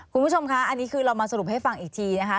คุณผู้ชมคะอันนี้คือเรามาสรุปให้ฟังอีกทีนะคะ